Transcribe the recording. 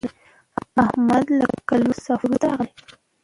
احمد له کلونو سفر وروسته راغی.